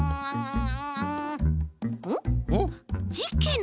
ん？